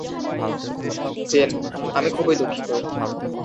Gen, আমি খুবই দুঃখিত।